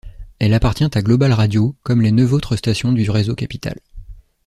Elle appartient à Global Radio, comme les neuf autres stations du réseau Capital.